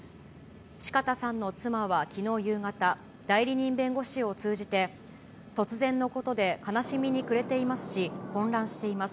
四方さんの妻はきのう夕方、代理人弁護士を通じて、突然のことで悲しみに暮れていますし、混乱しています。